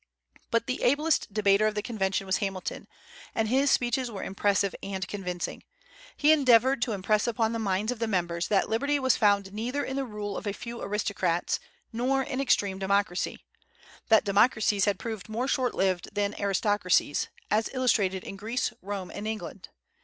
But the ablest debater of the convention was Hamilton, and his speeches were impressive and convincing. He endeavored to impress upon the minds of the members that liberty was found neither in the rule of a few aristocrats, nor in extreme democracy; that democracies had proved more short lived than aristocracies, as illustrated in Greece, Rome, and England.